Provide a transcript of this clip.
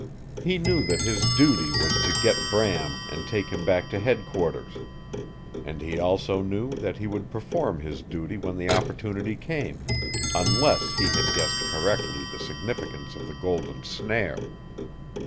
He knew that his duty was to get Bram and take him back to headquarters, and he also knew that he would perform his duty when the opportunity came unless he had guessed correctly the significance of the golden snare.